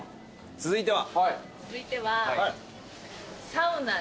続いては。